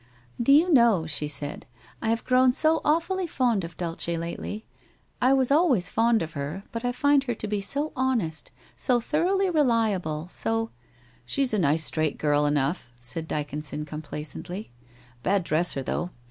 1 Do you know,' she said, * I have grown so awfully fond of Dulce lately. I was always fond of her, but I find her to be so honest, so thoroughly reliable — so ' 1 She's a nice straight girl enough,' said Dyconson com placently. ' Bad dresser, though.